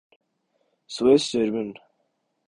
Swiss German